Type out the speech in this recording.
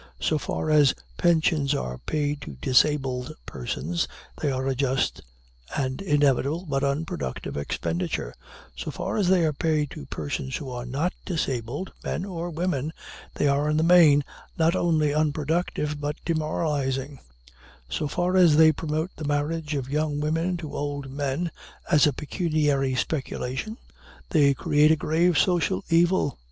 So far as pensions are paid to disabled persons, they are a just and inevitable, but unproductive expenditure; so far as they are paid to persons who are not disabled, men or women, they are in the main not only unproductive but demoralizing; so far as they promote the marriage of young women to old men, as a pecuniary speculation, they create a grave social evil.